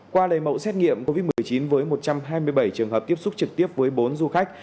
qua lời mẫu xét nghiệm covid một mươi chín với một trăm hai mươi bảy trường hợp tiếp xúc trực tiếp với bốn du khách